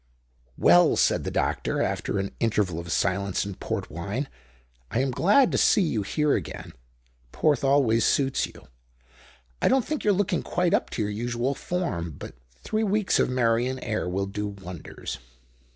"Well," said the doctor, after an interval of silence and port wine, "I am glad to see you here again. Porth always suits you. I don't think you're looking quite up to your usual form. But three weeks of Meirion air will do wonders."